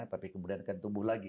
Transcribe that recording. tapi kemudian akan tumbuh lagi